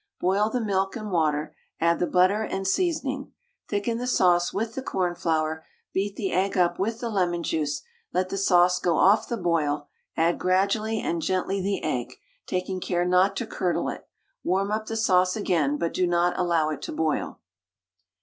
Boil the milk and water, add the butter and seasoning. Thicken the sauce with the cornflour; beat the egg up with the lemon juice. Let the sauce go off the boil; add gradually and gently the egg, taking care not to curdle it. Warm up the sauce again, but do not allow it to boil.